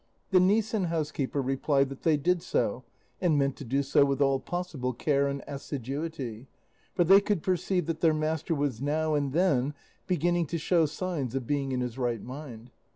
The niece and housekeeper replied that they did so, and meant to do so with all possible care and assiduity, for they could perceive that their master was now and then beginning to show signs of being in his right mind.